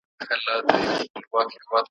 د زمان پر مېچن ګرځو له دورانه تر دورانه `